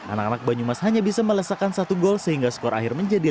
anak anak banyumas hanya bisa melesakan satu gol sehingga skor akhir menjadi satu